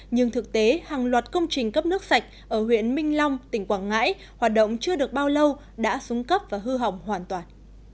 nhưng thực tế hàng loạt công trình cấp nước sạch ở huyện minh long tỉnh quảng ngãi hoạt động chưa được bao lâu đã xuống cấp và hư hỏng hoàn toàn